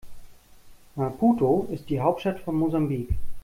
Maputo ist die Hauptstadt von Mosambik.